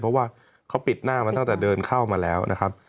เพราะว่าเขาปิดหน้ามาตั้งแต่เดินเข้ามาแล้วนะครับ